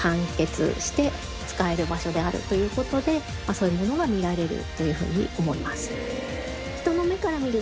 そういうものが見られるというふうに思います。